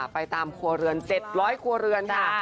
ไปตามครัวเรือน๗๐๐ครัวเรือนค่ะ